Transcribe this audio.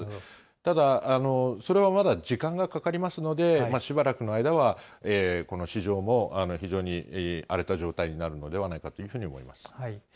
ただ、それはまだ時間がかかりますので、しばらくの間は、この市場も、非常に荒れた状態になるのではないかというふうに思います。